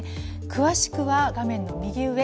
詳しくは画面の右上